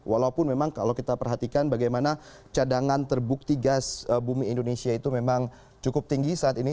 walaupun memang kalau kita perhatikan bagaimana cadangan terbukti gas bumi indonesia itu memang cukup tinggi saat ini